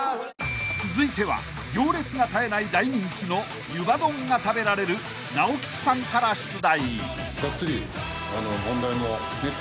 ［続いては行列が絶えない大人気の湯葉丼が食べられる直吉さんから出題］